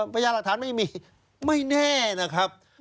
พยายามหลักฐานไม่มีไม่แน่นะครับ